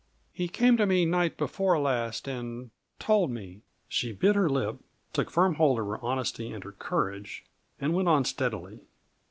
"He came to me night before last, and told me." She bit her lip, took firm hold on her honesty and her courage, and went on steadily.